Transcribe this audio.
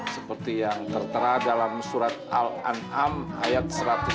seperti yang tertera dalam surat al an'am ayat satu ratus lima puluh dua